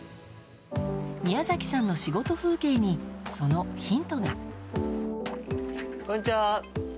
宮崎さんの仕事風景にそのヒントが。